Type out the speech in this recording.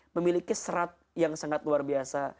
memiliki serat yang sangat luar biasa